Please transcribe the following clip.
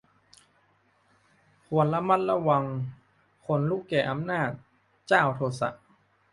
ควรระวังคนลุแก่อำนาจ เจ้าโทสะ